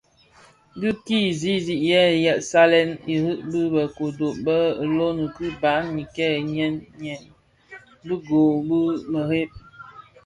Dhi ki zizig yè salèn irig bi bë kodo bë ilom ki baňi kè nyèn nyèn (bighök dhi mereb).